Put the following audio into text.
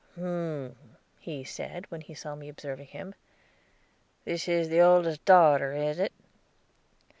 "Hum," he said, when he saw me observing him; "this is the oldest darter, is it?"